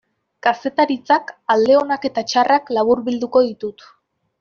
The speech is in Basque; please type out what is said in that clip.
Kazetaritzak alde onak eta txarrak laburbilduko ditut.